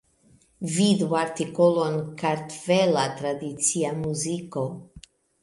Vidu artikolon Kartvela tradicia muziko.